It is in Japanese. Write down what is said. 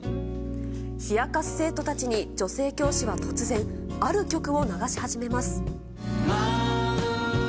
冷やかす生徒たちに女性教師は突然、ある曲を流し始めます。